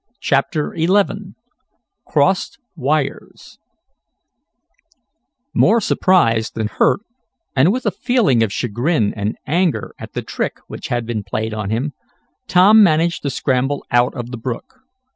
CHAPTER XI CROSSED WIRES More surprised than hurt, and with a feeling of chagrin and anger at the trick which had been played on him, Tom managed to scramble out of the brook.